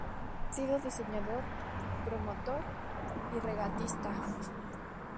Ha sido diseñador, promotor y regatista.